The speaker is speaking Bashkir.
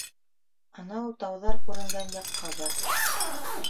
Анау тауҙар күренгән яҡҡа бар.